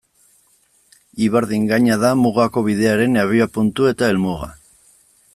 Ibardin gaina da Mugako Bidearen abiapuntu eta helmuga.